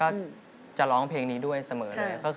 ก็จะร้องเพลงนี้ด้วยเสมอเลย